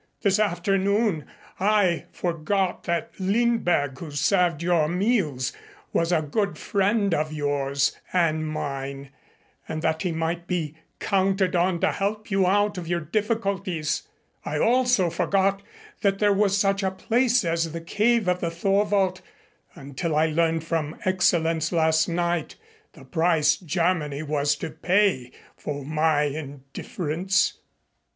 This afternoon I forgot that Lindberg, who served your meals, was a good friend of yours and mine and that he might be counted on to help you out of your difficulties. I also forgot that there was such a place as the Cave of the Thorwald until I learned from Excellenz last night, the price Germany was to pay for my indifference.